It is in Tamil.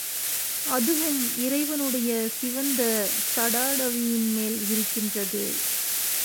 அதுவும் இறைவனுடைய சிவந்த சடாடவியின்மேல் இருக்கின்றது.